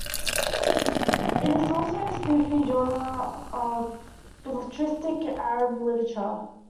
It is also Sufi genre of belletristic Arab literature.